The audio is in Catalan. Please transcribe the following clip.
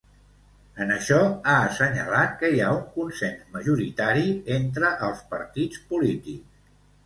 En això ha assenyalat que hi ha un consens majoritari entre els partits polítics.